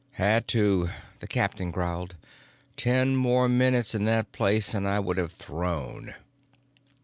"Had to," the captain growled. "Ten more minutes in that place and I would have thrown.